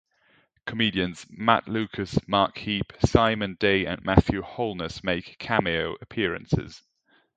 Comedians Matt Lucas, Mark Heap, Simon Day and Matthew Holness make cameo appearances.